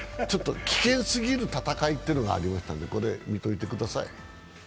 危険すぎる戦いというのがありましたので、見ておいてください。